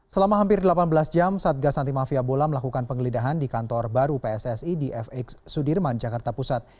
selama hampir delapan belas jam satgas anti mafia bola melakukan penggeledahan di kantor baru pssi di fx sudirman jakarta pusat